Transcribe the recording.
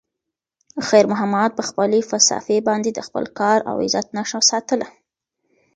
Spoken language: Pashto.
خیر محمد په خپلې صافې باندې د خپل کار او عزت نښه ساتله.